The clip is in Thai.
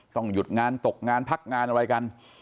ต้องหยุดงานตกงานพักงานอะไรกัน